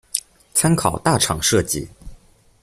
參考大廠設計